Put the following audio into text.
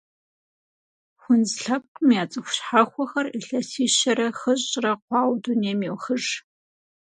Хунз лъэпкъым я цӏыху щхьэхуэхэр илъэсищэрэ хыщӏрэ хъуауэ дунейм йохыж.